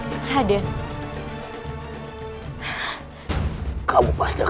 untuk memohon maaf